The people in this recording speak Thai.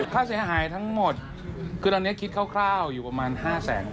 ค่าเสียหายทั้งหมดคือตอนนี้คิดคร่าวอยู่ประมาณ๕แสน